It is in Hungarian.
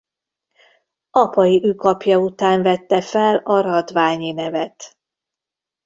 Apai ükapja után vette fel a Radványi nevet.